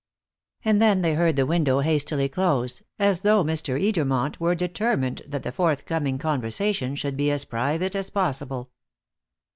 And then they heard the window hastily closed, as though Mr. Edermont were determined that the forthcoming conversation should be as private as possible.